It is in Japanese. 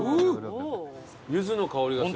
ユズの香りがする。